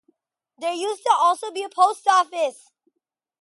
There used to also be a Post Office.